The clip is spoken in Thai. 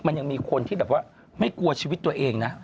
มันยังมีคนที่แบบว่าไม่กลัวชีวิตตัวเองนะ